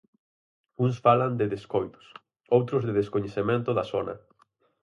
Uns falan de descoidos, outros de descoñecemento da zona.